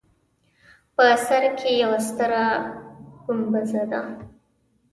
په سر کې یوه ستره ګومبزه ده.